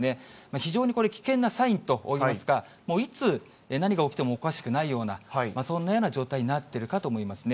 非常にこれ、危険なサインといいますか、いつ何が起きてもおかしくないような、そんなような状態になっているかと思いますね。